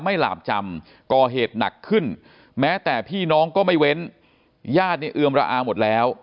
หลาบจำก่อเหตุหนักขึ้นแม้แต่พี่น้องก็ไม่เว้นญาติเนี่ยเอือมระอาหมดแล้ว